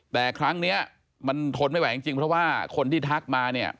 แต่ครั้งนี้มันทนไม่ไหวจริงเพราะว่าคนที่ทักมาเนี่ย